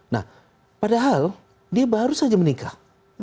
nah padahal dia baru saja menikah